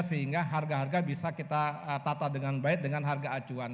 sehingga harga harga bisa kita tata dengan baik dengan harga acuan